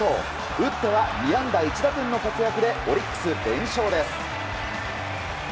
打っては２安打１打点の活躍でオリックス、連勝です。